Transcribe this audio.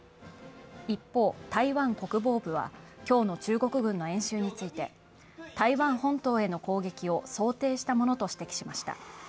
一方、台湾国防部は今日の中国軍の演習について台湾本島への攻撃を想定したものと指摘しました。